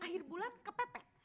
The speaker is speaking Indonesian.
akhir bulan kepepet